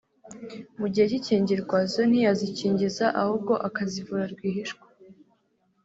mu gihe cy’ikingirwa zo ntiyazikingiza ahubwo akazivura rwihishwa